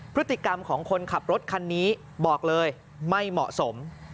พฤติกรรมของคนขับรถคันนี้บอกเลยไม่เหมาะสม